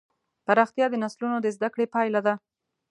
پراختیا د نسلونو د زدهکړې پایله ده.